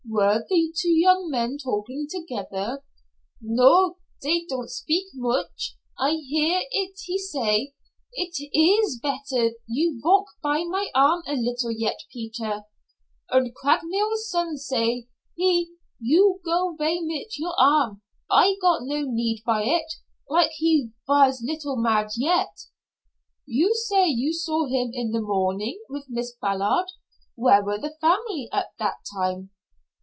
"Were the two young men talking together?" "No, dey don' speak much. I hear it he say, 'It iss better you valk by my arm a little yet, Peter,' und Craikmile's son, he say, 'You go vay mit your arm, I got no need by it,' like he vas little mad yet." "You say you saw him in the morning with Miss Ballard. Where were the family at that time?"